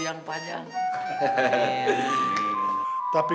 n nut dateng ketiwakan